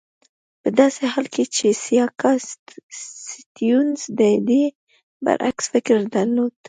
په داسې حال کې چې سیاکا سټیونز د دې برعکس فکر درلود.